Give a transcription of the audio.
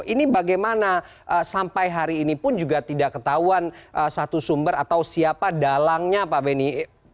ini bagaimana sampai hari ini pun juga tidak ketahuan satu sumber atau siapa dalangnya pak beni